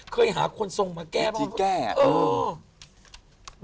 เคยหาคนทรงมาแก้บ้าง